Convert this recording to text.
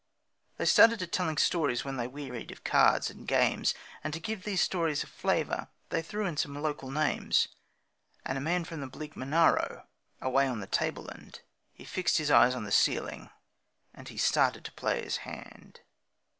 They started at telling stories when they wearied of cards and games, And to give these stories a flavour they threw in some local names, And a man from the bleak Monaro, away on the tableland, He fixed his eyes on the ceiling, and he started to play his hand.